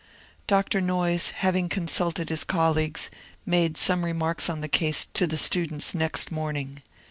Dr. Noyes, having consulted his colleagues, made some re marks on the case to the students next morning.